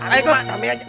ayo pak damai aja